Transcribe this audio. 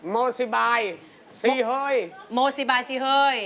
โมซิบายซีเฮ้ยโมซิบายซีเฮ้ย